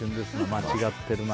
間違ってるな。